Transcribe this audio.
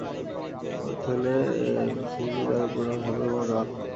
পরবর্তীকালে এমসিসি দলের পূর্ণাঙ্গ সফরের মর্যাদা লাভ করে।